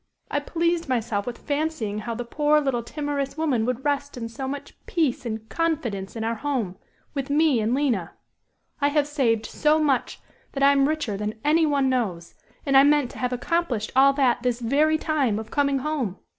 I pleased myself with fancying how the poor, little timorous woman would rest in so much peace and confidence in our home with me and Lina. I have saved so much that I am richer than any one knows, and I meant to have accomplished all that this very time of coming home.